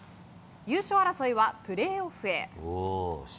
優勝争いはプレーオフへ。